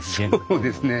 そうですね。